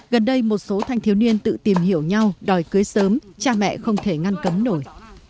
gần đây một số thanh thiếu niên tự tìm hiểu nhau đòi cưới sớm cha mẹ không thể ngăn cấm nổi